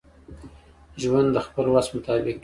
ژوند دخپل وس مطابق کیږي.